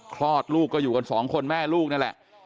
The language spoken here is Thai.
คลอดลูกก็อยู่กันสองคนแม่ลูกนั่นแหละ